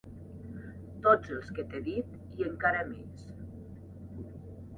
- Tots els que t'he dit i encara més.